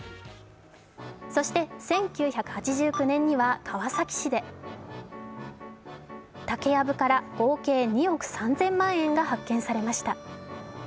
そして、１９８９年には川崎市で竹やぶから合計２億３０００万円が発見されました。